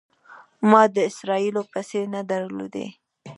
ما د اسرائیلو پیسې نه درلودې.